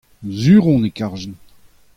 sur on e karjen.